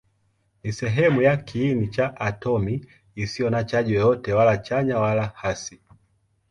Ni sehemu ya kiini cha atomi isiyo na chaji yoyote, wala chanya wala hasi.